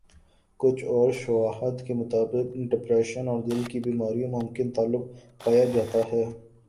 کچھ اورشواہد کے مطابق ڈپریشن اور دل کی بیماریوں ممکن تعلق پایا جاتا ہے